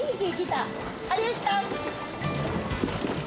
有吉さん。